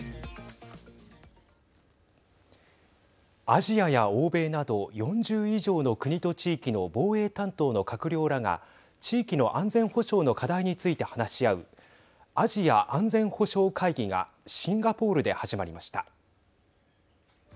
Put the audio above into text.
アジアや欧米など４０以上の国と地域の防衛担当の閣僚らが地域の安全保障の課題について話し合うアジア安全保障会議がシンガポールで始まりました。